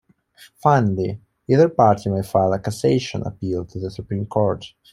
Finally, either party may file a "cassation" appeal to the Supreme Court.